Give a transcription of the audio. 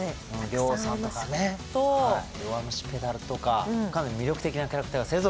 両さんとかね「弱虫ペダル」とかかなり魅力的なキャラクターが勢ぞろいですね。